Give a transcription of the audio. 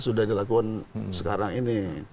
sudah dilakukan sekarang ini